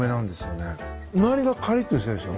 周りがかりっとしてるでしょ？